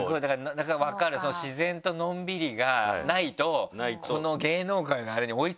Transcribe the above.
なんか分かる自然とのんびりがないとこの芸能界のあれに追いつかない？